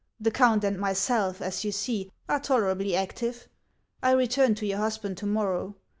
The count and myself, as you see, are tolerably active. I return to your husband to morrow.